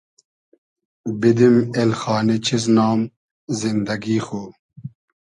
بیدیم اېلخانی چیز نام زیندئگی خو